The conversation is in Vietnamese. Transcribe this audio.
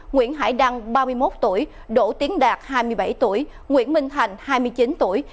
nguyễn hải đăng ba mươi một tuổi đỗ tiến đạt hai mươi bảy tuổi nguyễn minh thành hai mươi chín tuổi